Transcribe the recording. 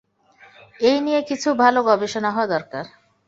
এই নিয়ে কিছু ভালো গবেষণা হওয়া দরকার।